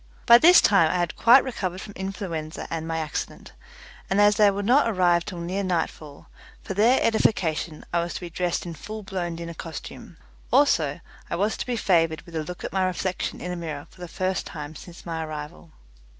By this time I had quite recovered from influenza and my accident, and as they would not arrive till near nightfall, for their edification I was to be dressed in full blown dinner costume, also I was to be favoured with a look at my reflection in a mirror for the first time since my arrival.